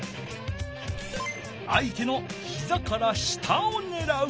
あい手のひざから下をねらう。